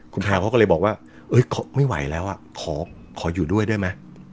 คุณแพลวเขาก็เลยบอกว่าไม่ไหวแล้วขออยู่ด้วยได้ไหม